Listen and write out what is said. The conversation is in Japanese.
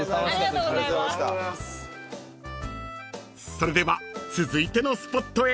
［それでは続いてのスポットへ］